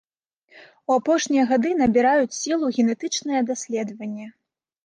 У апошнія гады набіраюць сілу генетычныя даследаванні.